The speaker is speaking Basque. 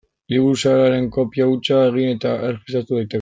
Liburu zahar haren kopia hutsa egin eta erregistratu daiteke.